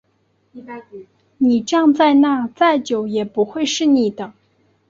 你站在那再久也不会是你的